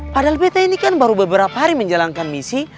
padahal pt ini kan baru beberapa hari menjalankan misi